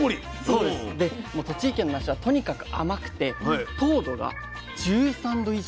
で栃木県のなしはとにかく甘くて糖度が１３度以上。